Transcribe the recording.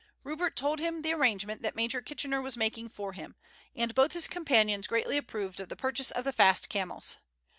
Rupert told him the arrangements that Major Kitchener was making for him, and both his companions greatly approved of the purchase of the fast camels.